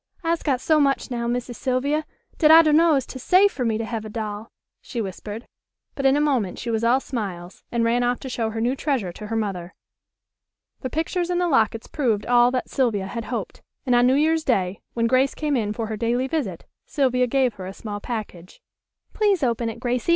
"I'se got so much now, Missy Sylvia, dat I dunno as 'tis safe fer me to hev a doll," she whispered; but in a moment she was all smiles, and ran off to show her new treasure to her mother. The pictures and the lockets proved all that Sylvia had hoped, and on New Year's day, when Grace came in for her daily visit, Sylvia gave her a small package. "Please open it, Gracie!"